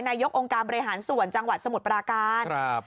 นายกองค์การบริหารส่วนจังหวัดสมุทรปราการครับ